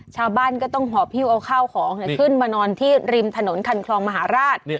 ชาวบ้านก็ต้องหอบหิ้วเอาข้าวของขึ้นมานอนที่ริมถนนคันคลองมหาราช